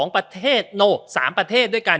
๓ประเทศด้วยกัน